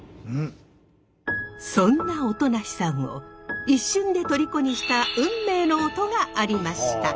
そんな音無さんを一瞬でとりこにした運命の音がありました。